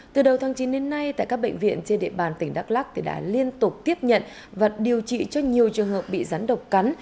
từ đầu tháng chín đến nay tại các bệnh viện trên địa bàn tỉnh đắk lắc đã liên tục tiếp nhận và điều trị cho nhiều trường hợp bị rắn độc cắn